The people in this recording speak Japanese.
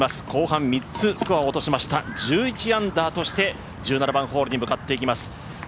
後半３つスコアを落としました１１アンダーとして１７番ホールに向かっていきます。